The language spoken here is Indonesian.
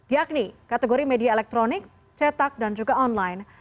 yakni kategori media elektronik cetak dan juga online